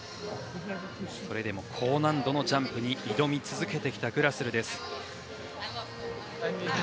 それでも高難度のジャンプに挑み続けてきたグラスル。